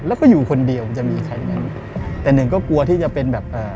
แล้วก็อยู่คนเดียวจะมีใครนั้นแต่หนึ่งก็กลัวที่จะเป็นแบบเอ่อ